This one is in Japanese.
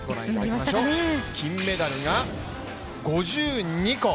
金メダルが５２個。